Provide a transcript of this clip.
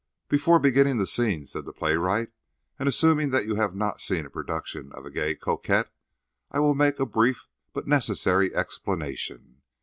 "Before beginning the scene," said the playwright, "and assuming that you have not seen a production of 'A Gay Coquette,' I will make a brief but necessary explanation.